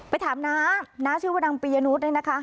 ไปถามน้าน้าชื่อว่าดังปริยนุธด้วยนะคะให้กันว่า